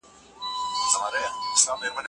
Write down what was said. د لوبو ګټل غرور او سرلوړي راولي.